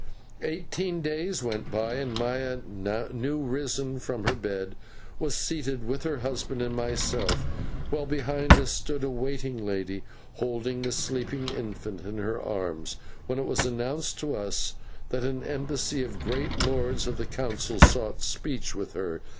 Eighteen days went by, and Maya, new risen from her bed, was seated with her husband and myself, while behind us stood a waiting lady holding the sleeping infant in her arms, when it was announced to us that an embassy of the great lords of the Council sought speech with her.